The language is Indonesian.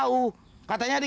udah siap nih